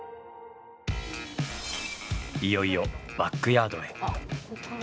いよいよバックヤードへ。